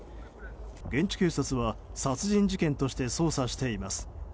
現地警察は、殺人事件として捜査しています。